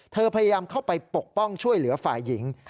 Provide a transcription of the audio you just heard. พยายามเข้าไปปกป้องช่วยเหลือฝ่ายหญิง